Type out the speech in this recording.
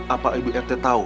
apa ibu rt tau